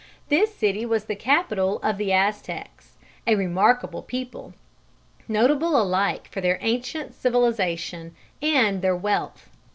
This city was the capital of the Aztecs, a remarkable people, notable alike for their ancient civilisation and their wealth.